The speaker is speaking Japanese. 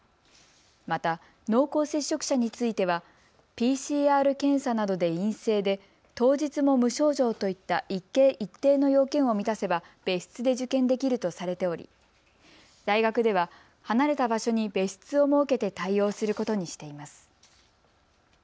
また濃厚接触者についてはＰＣＲ検査などで陰性で当日も無症状といった一定の要件を満たせば別室で受験できるとされており大学では離れた場所に別室を設けて対応することにしています。